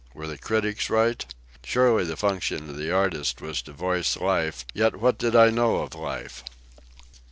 Were the critics right? Surely the function of the artist was to voice life, yet what did I know of life?